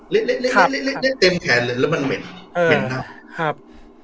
เล็กเล็กเล็กเล็กเล็กเล็กเล็กเต็มแขนเลยแล้วมันเหม็นเหม็นหน้าครับ